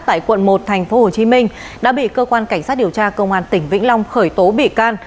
tại quận một tp hcm đã bị cơ quan cảnh sát điều tra công an tỉnh vĩnh long khởi tố bị can